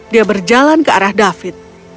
dia berjalan ke arah david